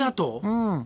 うん。